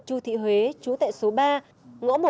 chú thị huế chú tệ số ba